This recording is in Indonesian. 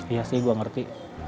iya sih gue ngerti